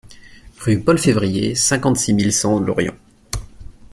Rue Paul Février, cinquante-six mille cent Lorient